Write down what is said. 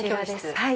はい。